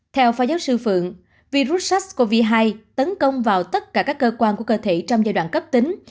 theo phó giáo sư phượng virus sars cov hai tấn công vào tất cả các cơ quan của cơ thể trong giai đoạn cấp tính